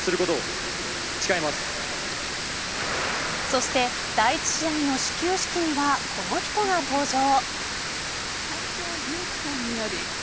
そして、第１試合の始球式にはこの人が登場。